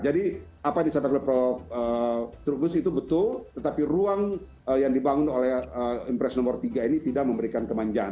jadi apa di sasaran provinsi itu betul tetapi ruang yang dibangun oleh impres nomor tiga ini tidak memberikan kemanjangan